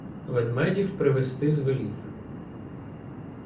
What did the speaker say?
Ведмедів привести звелів.